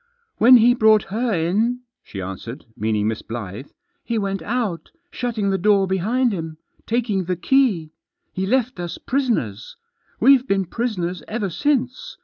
"When he brought her in,* she answered — meaning Miss Blyth —" he went out, shutting the door behind him, taking the key. He left us prisoners. We've been prisoners ever since.